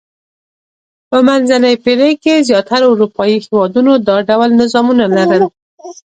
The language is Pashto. په منځنۍ پېړۍ کې زیاترو اروپايي هېوادونو دا ډول نظامونه لرل.